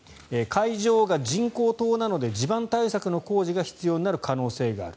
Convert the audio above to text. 会場が人工島なので地盤対策の工事が必要になる可能性がある。